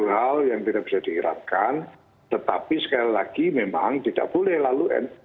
oke itu satu hal yang tidak bisa dihirapkan tetapi sekali lagi memang tidak boleh lalu nu